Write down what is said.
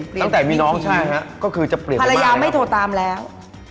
ตั้งแต่มีน้องก็จะเปลี่ยนพรรยาไม่โทรตามแล้ว